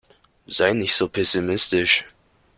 Sei nicht so pessimistisch.